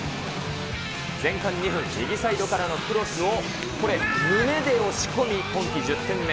前半２分、右サイドからのクロスを、これ、胸で押し込み、今季１０点目。